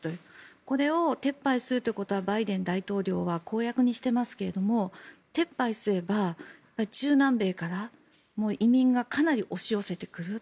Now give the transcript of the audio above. これを撤廃するということはバイデン大統領は公約にしていますが撤廃すれば中南米から移民がかなり押し寄せてくる。